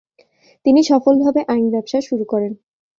তিনি সফলভাবে আইন ব্যবসা শুরু করেন।